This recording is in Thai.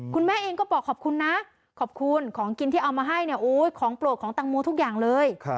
คุณแม่เองก็บอกขอบคุณนะขอบคุณของกินที่เอามาให้เนี่ยของโปรดของตังโมทุกอย่างเลย